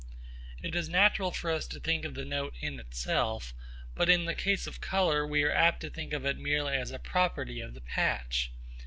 It is natural for us to think of the note in itself, but in the case of colour we are apt to think of it merely as a property of the patch.